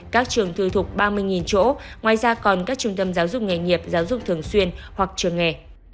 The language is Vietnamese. các trường thư thụ thuộc ba mươi chỗ ngoài ra còn các trung tâm giáo dục nghề nghiệp giáo dục thường xuyên hoặc trường nghề